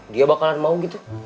dia bakalan mau gitu